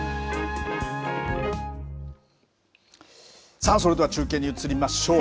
さあ、それでは中継に移りましょう。